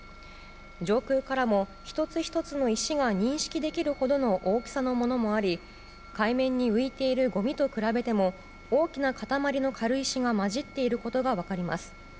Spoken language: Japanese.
上空からも１つ１つの石が認識できるほどの大きさのものもあり海面に浮いているごみと比べても大きな塊の軽石が混じっていることが分かります。